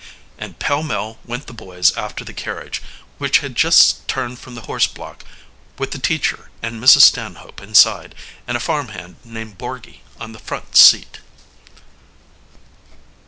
And pell mell went the boys after the carriage, which had just turned from the horse block with the teacher and Mrs. Stanhope inside, and a farmhand named Borgy on the front seat.